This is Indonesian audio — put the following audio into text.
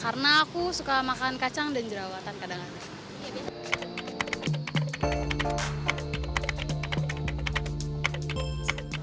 karena aku suka makan kacang dan jerawatan kadang kadang